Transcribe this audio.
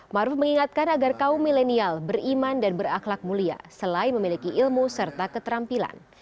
maruf mengingatkan agar kaum milenial beriman dan berakhlak mulia selain memiliki ilmu serta keterampilan